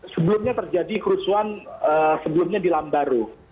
sebelumnya terjadi kerusuhan sebelumnya di lambaru